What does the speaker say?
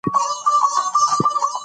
ملکي چارواکي باید ولس ته رښتیا ووایي.